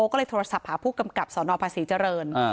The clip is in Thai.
ก็เลยโทรศัพท์หาผู้กำกับสนภาษีเจริญ